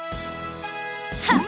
はっ！